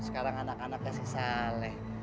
sekarang anak anaknya si saleh